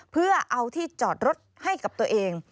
เพื่อเอาที่จอดรถให้กับตัวเอง